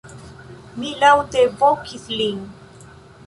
Mi laŭte vokis lin.